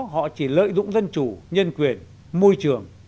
họ chỉ lợi dụng dân chủ nhân quyền môi trường